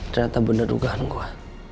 ternyata bener rugahan gua